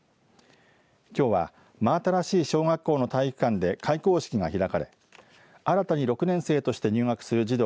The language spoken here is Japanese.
きょうは真新しい小学校の体育館で開校式が開かれ新たに６年生として入学する児童